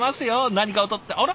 何かを取ってあら？